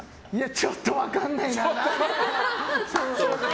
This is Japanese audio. ちょっと分かんないな。